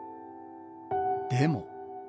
でも。